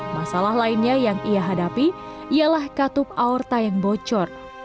masalah lainnya yang ia hadapi ialah katup aorta yang bocor